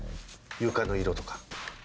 床の色とか。